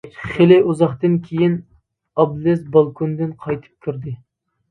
خېلى ئۇزاقتىن كېيىن، ئابلىز بالكوندىن قايتىپ كىردى.